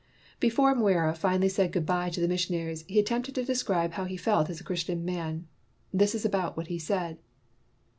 Before Mwira finally said good by to the missionaries, he attempted to describe how he felt as a Christian man. This is about what he said.